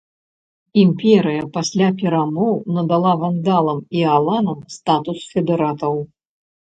Імперыя пасля перамоў надала вандалам і аланам статус федэратаў.